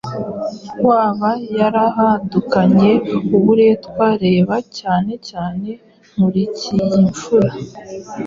waba yarahadukanye uburetwa reba cyane cyane Nkurikiyimfura